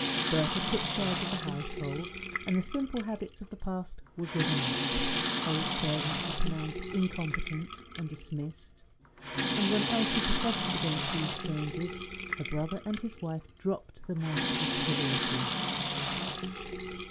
Bertha took charge of the household, and the simple habits of the past were given up. Old servants were pronounced incompetent and dismissed; and when Elsie protested against these changes, her brother and his wife dropped the mask of civility.